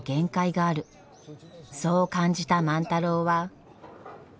そう感じた万太郎は。